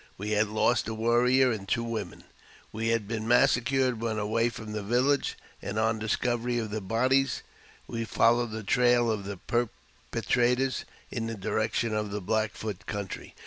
We had lost a warrior and two women, who had been massacred when away from the village, and on discovery of the bodies we followed the trail of the perpetrators in the direction of the Black Foot country.